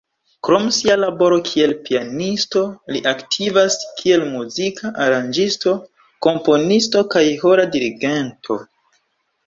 Krom sia laboro kiel pianisto li aktivas kiel muzika aranĝisto, komponisto kaj ĥora dirigento.